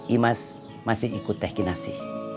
imas masih ikut teh kinasi